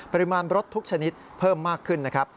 ปริมาณรถทุกชนิดเพิ่มมากขึ้นนะครับ